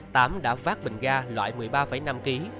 tám đã phát bình ga loại một mươi ba năm kg